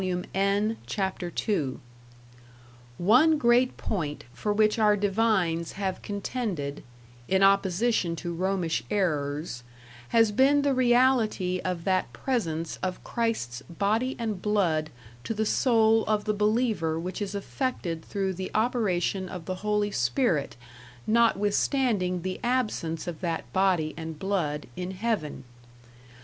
N, Chap II) "One great point for which our divines have contended, in opposition to Romish errors, has been the reality of that presence of Christ's Body and Blood to the soul of the believer which is affected through the operation of the Holy Spirit notwithstanding the absence of that Body and Blood in Heaven.